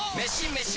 メシ！